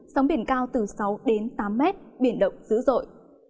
sóng biển cao từ sáu đến tám mét biển động dữ dội